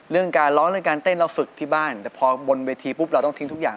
เรื่องการร้องเรื่องการเต้นเราฝึกที่บ้านแต่พอบนเวทีปุ๊บเราต้องทิ้งทุกอย่าง